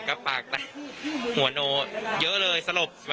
ก็ปากแตกหัวโนเยอะเลยสลบ